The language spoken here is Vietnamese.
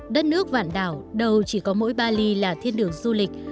đất nước vạn đảo đâu chỉ có mỗi bali là thiên đường du lịch